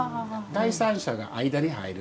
第三者が間に入る。